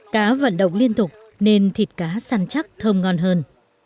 cá vận động liên tục nên thịt cá săn chắc thơm ngon hơn